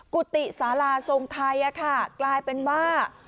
กุฏิสาราทรงไทยกลายเป็นว่า